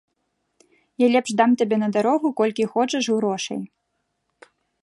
Я лепш дам табе на дарогу колькі хочаш грошай.